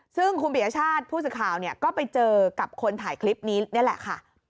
ซึ่งคุณปียชาติผู้สื่อข่าวเนี่ยก็ไปเจอกับคนถ่ายคลิปนี้นี่แหละค่ะ